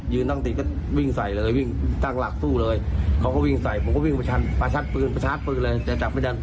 อยากยิงกล้าจริงนะกล้องจริงปิด